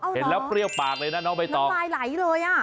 เห็นแล้วเปรี้ยวปากเลยนะน้องใบตองน้ำลายไหลเลยอ่ะ